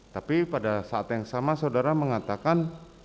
tapi pada saat yang sama saudara mengatakan